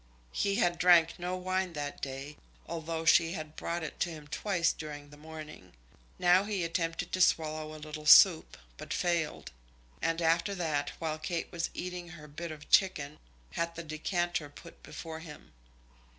He had drank no wine that day, although she had brought it to him twice during the morning. Now he attempted to swallow a little soup, but failed; and after that, while Kate was eating her bit of chicken, had the decanter put before him.